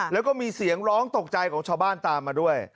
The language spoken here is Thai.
แล้วก็มีเสียงร้องตกใจของชาวบ้านตามมาด้วย